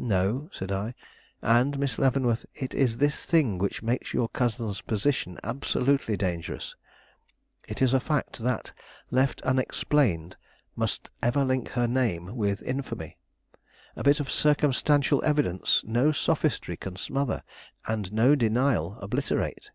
"No," said I; "and, Miss Leavenworth, it is this thing which makes your cousin's position absolutely dangerous. It is a fact that, left unexplained, must ever link her name with infamy; a bit of circumstantial evidence no sophistry can smother, and no denial obliterate.